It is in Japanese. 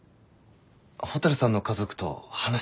蛍さんの家族と話したくて。